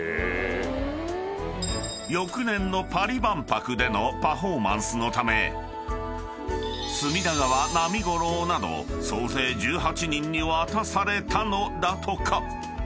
［翌年のパリ万博でのパフォーマンスのため隅田川浪五郎など総勢１８人に渡されたのだとか］